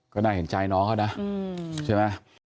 ก็น่าเห็นใจน้องเขานะใช่ไหม